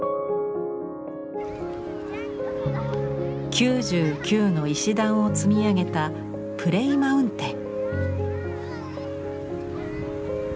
９９の石段を積み上げた「プレイマウンテン」。